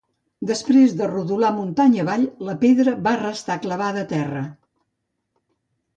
Després de rodolar muntanya avall, la pedra va restar clavada a terra.